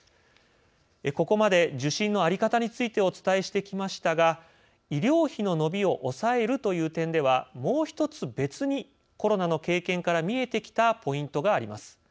ここまで受診の在り方についてお伝えしてきましたが医療費の伸びを抑えるという点ではもう一つ別にコロナの経験から見えてきたポイントがあります。